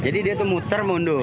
jadi dia itu muter mundur